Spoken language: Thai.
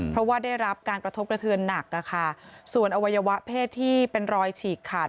เพราะว่าได้รับการกระทบกระเทือนหนักนะคะส่วนอวัยวะเพศที่เป็นรอยฉีกขาด